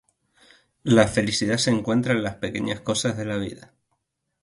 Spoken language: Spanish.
La felicidad se encuentra en las pequeñas cosas de la vida.